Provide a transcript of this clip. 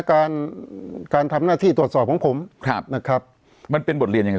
การการทำหน้าที่ตรวจสอบของผมครับนะครับมันเป็นบทเรียนยังไง